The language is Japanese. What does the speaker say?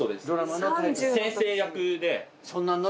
先生役で。